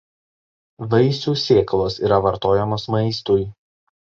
Vaisių sėklos yra vartojamos maistui.